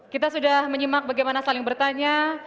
kita sudah menyimak bagaimana saling bertanya